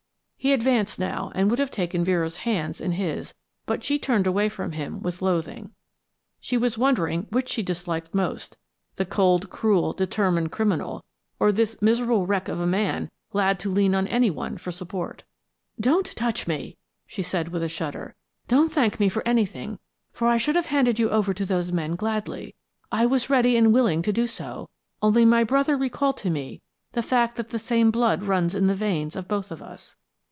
He advanced now and would have taken Vera's hands in his, but she turned from him with loathing. She was wondering which she disliked most the cold, cruel, determined criminal, or this miserable wreck of a man glad to lean on anyone for support. "Don't touch me," she said, with a shudder. "Don't thank me for anything for I should have handed you over to those men gladly, I was ready and willing to do so, only my brother recalled to me the fact that the same blood runs in the veins of both of us.